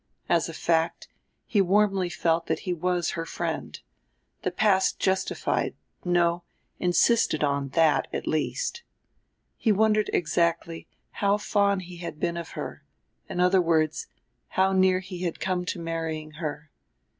As a fact, he warmly felt that he was her friend; the past justified, no, insisted on, that at least. He wondered exactly how fond he had been of her in other words, how near he had come to marrying her.